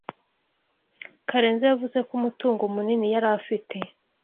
Karenzi yavuze ko umutungo munini yari afite.